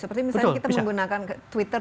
seperti misalnya kita menggunakan twitter